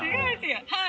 はい。